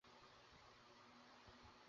মায়ের নামে ছেলেপুলের নাম হত।